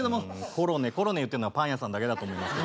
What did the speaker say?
コロネコロネ言ってるのはパン屋さんだけだと思いますけどね。